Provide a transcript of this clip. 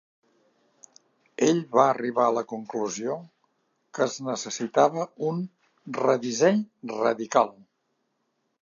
Ell va arribar a la conclusió que es necessitava un redisseny radical.